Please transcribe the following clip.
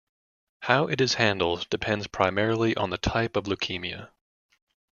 How it is handled depends primarily on the type of leukemia.